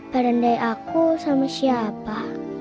padandai aku sama siapa